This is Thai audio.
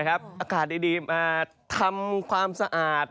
อากาศดีมาทำความสะอาด